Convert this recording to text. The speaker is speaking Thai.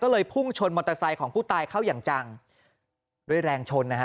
ก็เลยพุ่งชนมอเตอร์ไซค์ของผู้ตายเข้าอย่างจังด้วยแรงชนนะฮะ